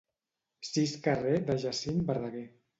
Sis Carrer de Jacint Verdaguer.